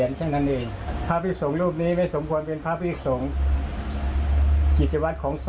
แยเป็นคนใบ้หวยมีเลขเด็ด